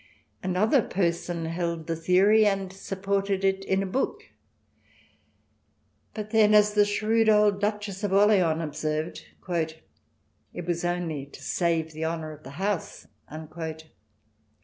Another person held the theory and supported it in a book. But then, as the shrewd old Duchess of Orleans observed, "it was only to save the honour of the house."